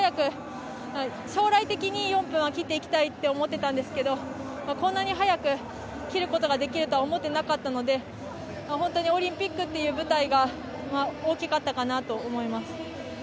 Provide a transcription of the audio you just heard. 将来的に、４分は切っていきたいと思っていたんですけどこんなに早く切ることができるとは思っていなかったのでオリンピックという舞台が大きかったかなと思います。